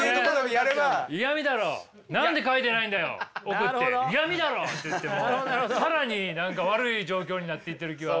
送って「イヤミだろ！」って言ってもう更に何か悪い状況になっていってる気は。